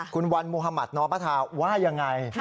คุณวันมหมัธนอบภาว่ายังไง